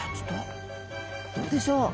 どうでしょう？